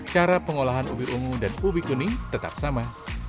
cara pengolahan ubir ungu dan ubi kuning tetap sama